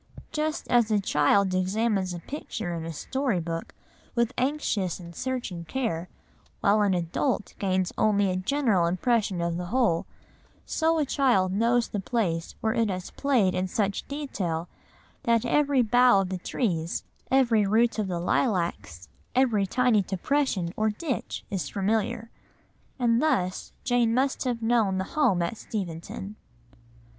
Just as a child examines a picture in a story book with anxious and searching care, while an adult gains only a general impression of the whole, so a child knows the place where it has played in such detail that every bough of the trees, every root of the lilacs, every tiny depression or ditch is familiar. And thus Jane must have known the home at Steventon.